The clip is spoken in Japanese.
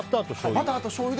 バターとしょうゆ？